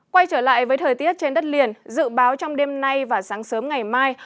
quay trở lại với thời tiết trên đất liền dự báo trong đêm nay và sáng sớm ngày mai